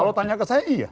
kalau tanya ke saya iya